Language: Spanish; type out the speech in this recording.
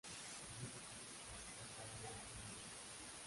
Diez equipos participaron en la primera ronda.